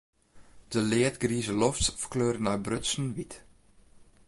De leadgrize loft ferkleure nei brutsen wyt.